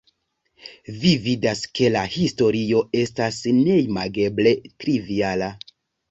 Vi vidas, ke la historio estas neimageble triviala.